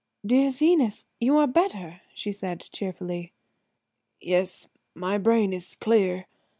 "Dear Zenas, you are better?" she said cheerfully. "Yes, my brain is clear.